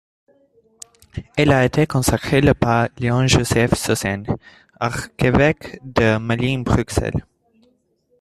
Elle a été consacrée le par Léon-Joseph Suenens, Archevêque de Malines-Bruxelles.